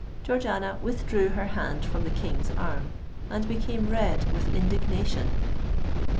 Georgiana withdrew her hand from the King's arm, and became red with indignation.